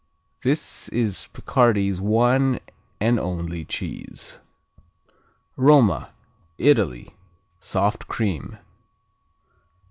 This is Picardy's one and only cheese. Roma Italy Soft cream.